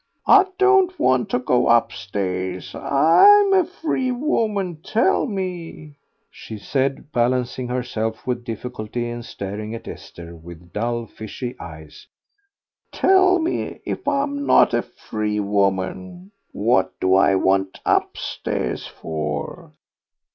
I don't want to go upstairs. I'm a free woman; tell me," she said, balancing herself with difficulty and staring at Esther with dull, fishy eyes, "tell me if I'm not a free woman? What do I want upstairs for?"